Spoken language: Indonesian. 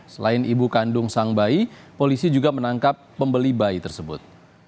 selain ibu kandung sang bayi polisi juga menangkap pembeli bayi tersebut